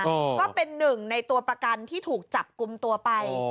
ก็เป็นหนึ่งในตัวประกันที่ถูกจับกลุ่มตัวไป